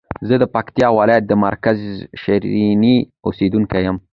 زه د پکتیکا ولایت د مرکز شرنی اوسیدونکی یم.